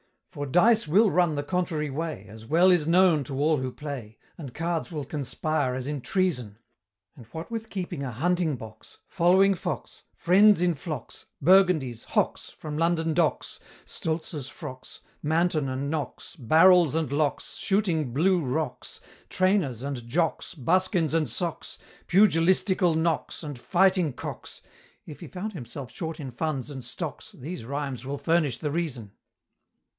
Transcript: For dice will run the contrary way, As well is known to all who play, And cards will conspire as in treason: And what with keeping a hunting box, Following fox Friends in flocks, Burgundies, Hocks, From London Docks, Stultz's frocks, Manton and Nock's Barrels and locks, Shooting blue rocks, Trainers and jocks, Buskins and socks, Pugilistical knocks, And fighting cocks, If he found himself short in funds and stocks, These rhymes will furnish the reason!